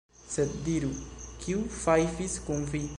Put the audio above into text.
Sed diru, kiu fajfis kun vi?